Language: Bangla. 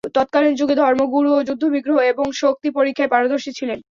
তৎকালীন যুগে ধর্মগুরুও যুদ্ধ-বিগ্রহ এবং শক্তি পরীক্ষায় পারদর্শী ছিলেন।